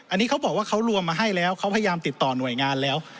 อันนี้เขาบอกว่าเขารวมมาให้แล้วเขาพยายามติดต่อหน่วยงานแล้ว